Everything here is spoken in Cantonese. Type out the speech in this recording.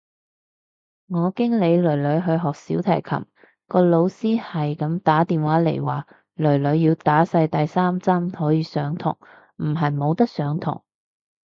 我經理囡囡去學小提琴，個老師係咁打電話嚟話，囡囡要打晒第三針可以上堂，唔係冇得上堂。